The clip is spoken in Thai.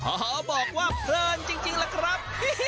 โอ้โหบอกว่าเพลินจริงล่ะครับ